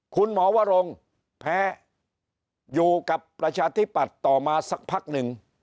คุณหมอวรงค์แพ้อยู่กับประชาธิบัตรต่อมาสักพักนึง